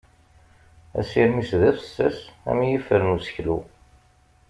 Asirem-is d afessas am yifer n useklu.